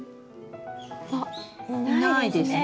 あっいないですね。